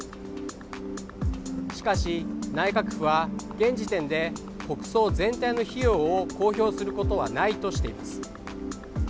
しかし、内閣府は現時点で国葬全体の費用を公表することはないとしています。